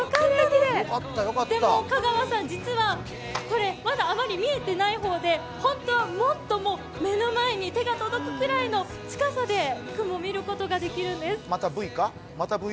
でも香川さん、実はこれ、まだあまり見えていない方で本当はもっと目の前に手が届くくらいの近さで雲、見ることができるんです。